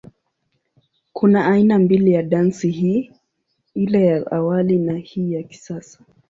Kuna aina mbili ya dansi hii, ile ya awali na ya hii ya kisasa.